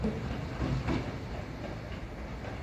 Tumia mafuta mabichi ya nazi klupikia viazi